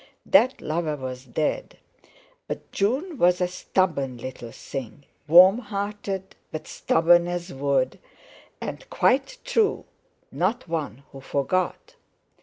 That lover was dead; but June was a stubborn little thing; warm hearted, but stubborn as wood, and—quite true—not one who forgot!